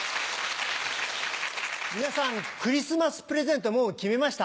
皆さん、クリスマスプレゼント、もう決めました？